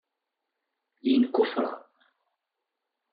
Yenkuffera.